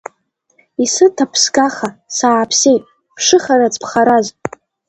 Исыҭ аԥсгаха, сааԥсеит, бшыхарац бхараз…